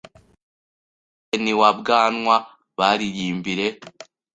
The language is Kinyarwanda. Abaraye n'iwa Bwanwa bariyimbire